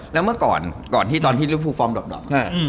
ตอนที่เป็นริวฟูฟอร์มดอก